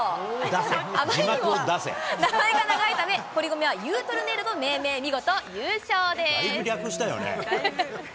あまりにも名前が長いため、堀米はユウトルネードと命名、優勝です。